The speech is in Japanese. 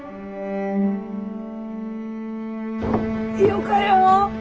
よかよ。